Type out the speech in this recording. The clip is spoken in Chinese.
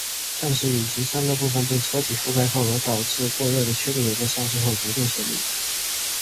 但是引擎散热部份被车体覆盖而导致过热的缺点也在上市后逐渐显露。